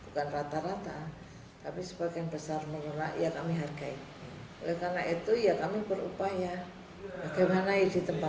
oleh karena itu ya kami berupaya